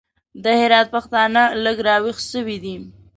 د هرات پښتانه لږ راوېښ سوي دي.